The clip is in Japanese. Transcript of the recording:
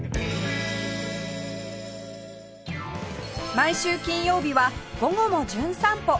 毎週金曜日は『午後もじゅん散歩』